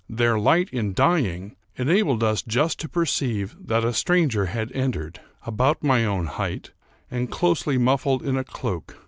Their light, in dying, enabled us just to perceive that a stranger had entered, about my own height, and closely muffled in a cloak.